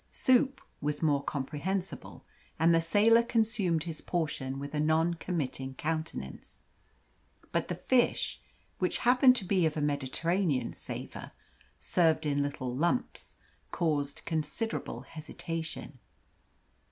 Soup was more comprehensible, and the sailor consumed his portion with a non committing countenance. But the fish, which happened to be of a Mediterranean savour served in little lumps caused considerable hesitation.